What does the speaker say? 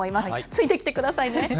ついてきてくださいね。